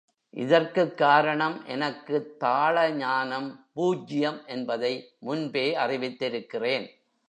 இதற்குக் காரணம் எனக்குத்தாள ஞானம் பூஜ்யம் என்பதை முன்பே அறிவித்திருக்கிறேன்.